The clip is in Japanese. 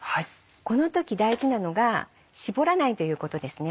この時大事なのが絞らないということですね。